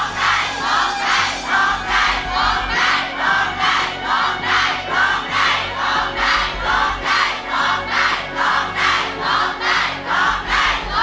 โดดใจโดดใจ